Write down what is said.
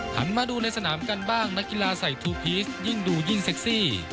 มาดูในสนามกันบ้างนักกีฬาใส่ทูพีชยิ่งดูยิ่งเซ็กซี่